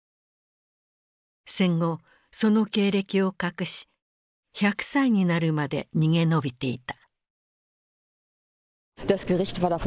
戦後その経歴を隠し１００歳になるまで逃げ延びていた。